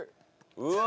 うわ！